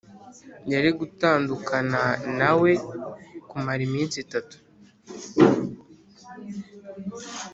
Yari gutandukana na we kumara iminsi itatu